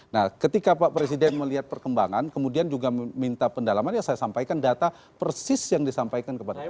nah ketika pak presiden melihat perkembangan kemudian juga minta pendalaman ya saya sampaikan data persis yang disampaikan kepada publik